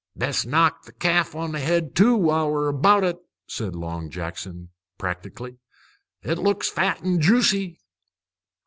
"Best knock the ca'f on the head, too, while we're about it," said Long Jackson practically. "It looks fat an' juicy."